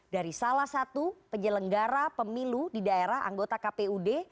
dari salah satu penyelenggara pemilu di daerah anggota kpud